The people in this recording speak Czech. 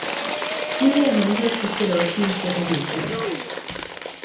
Tím je jeho možnost cesty do lepšího světa zničena.